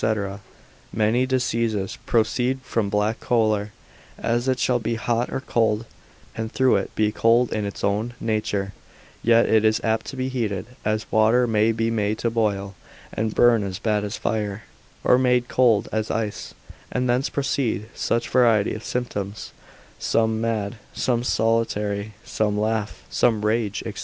many diseases proceed from black choler, as it shall be hot or cold; and though it be cold in its own nature, yet it is apt to be heated, as water may be made to boil, and burn as bad as fire; or made cold as ice: and thence proceed such variety of symptoms, some mad, some solitary, some laugh, some rage, &c.